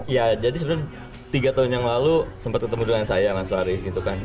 ya jadi sebenarnya tiga tahun yang lalu sempat ketemu dengan saya mas haris gitu kan